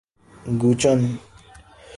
گوئچ ان